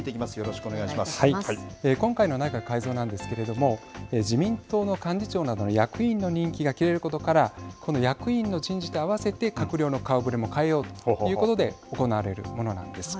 今回の内閣改造なんですけれども自民党の幹事長などの役員の任期が切れることから役員の人事と合わせて閣僚の顔ぶれも変えようということで行われるものなんです。